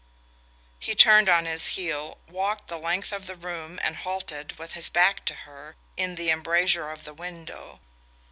He turned on his heel, walked the length of the room and halted with his back to her in the embrasure of the window.